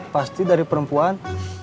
pasti dari perempuan